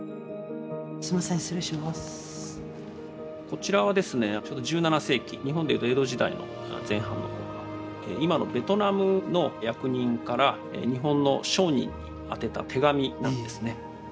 こちらは１７世紀日本で言うと江戸時代の前半の頃今のベトナムの役人から日本の商人に宛てた手紙なんですね。